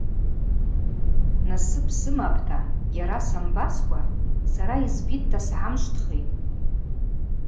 Насып сымапӏта йара самбаскӏва сара йызбитӏта сгӏамшвтхитӏ.